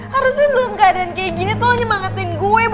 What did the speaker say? harusnya belum keadaan gini lo nyemangatin gue